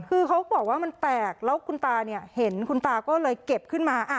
คือเขาบอกว่ามันแตกแล้วคุณตาเนี่ยเห็นคุณตาก็เลยเก็บขึ้นมา